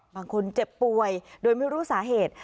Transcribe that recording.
คนเจ็บป่วยโดยไม่รู้สาเหตุ